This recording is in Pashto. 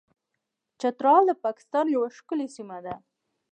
چترال د پاکستان یوه ښکلې سیمه ده.